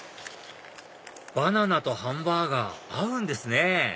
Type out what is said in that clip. バナナとハンバーガー合うんですね